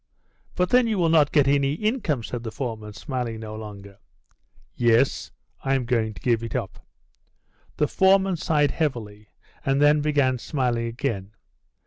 "But then you will not get any income," said the foreman, smiling no longer. "Yes, I am going to give it up." The foreman sighed heavily, and then began smiling again.